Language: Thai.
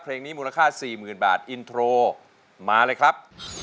เพลงนี้มูลค่า๔๐๐๐บาทอินโทรมาเลยครับ